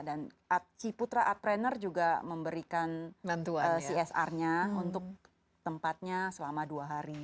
dan ciputra art trainer juga memberikan csr nya untuk tempatnya selama dua hari